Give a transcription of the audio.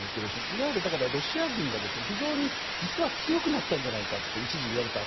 いわゆるロシア軍が非常に強くなったんじゃないかと一時、言われた。